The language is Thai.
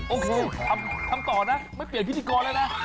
โอเคทำต่อนะไม่เปลี่ยนพิธีกรแล้วนะ